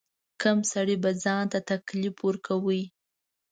کم سړي به ځان ته تکلیف ورکاوه.